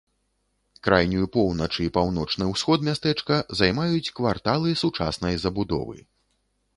Крайнюю поўнач і паўночны ўсход мястэчка займаюць кварталы сучаснай забудовы.